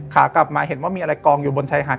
ขากลับมาเห็นว่ามีอะไรกองอยู่บนชายหาด